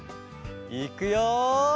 いくよ！